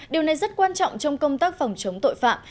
điều này rất quan trọng trong công tác phòng chống tội phạm